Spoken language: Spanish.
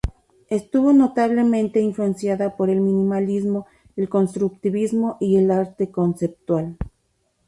Estuvo notablemente influenciada por el minimalismo, el constructivismo y el arte conceptual.